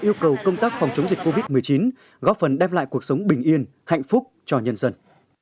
yêu cầu công tác phòng chống dịch covid một mươi chín góp phần đem lại cuộc sống bình yên hạnh phúc cho nhân dân